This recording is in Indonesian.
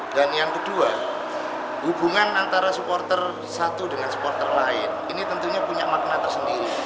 dan yang kedua hubungan antara supporter satu dengan supporter lain ini tentunya punya makna tersendiri